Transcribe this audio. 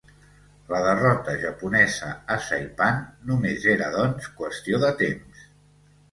La derrota japonesa a Saipan només era, doncs, qüestió de temps.